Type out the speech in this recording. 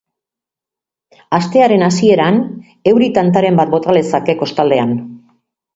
Astearen hasieran euri tantaren bat bota lezake kostaldean.